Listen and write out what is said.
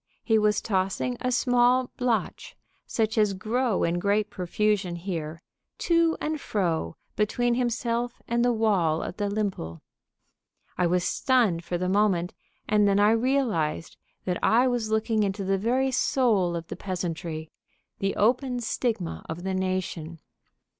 He was tossing a small blatch, such as grow in great profusion here, to and fro between himself and the wall of the limple. I was stunned for the moment, and then I realized that I was looking into the very soul of the peasantry, the open stigma of the nation.